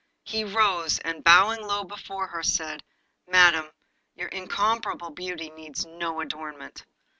He rose, and bowing low before her, said 'Madam, your incomparable beauty needs no adornment.